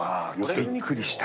びっくりした。